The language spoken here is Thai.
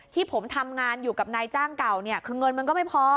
ที่ผมทำงานอยู่กับนายจ้างเก่าเนี่ยคือเงินมันก็ไม่พอ